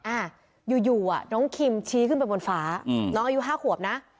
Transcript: อ่ะอยู่อ่ะน้องคิมชี้ขึ้นไปบนฟ้าน้องอายุ๕ขวบนะ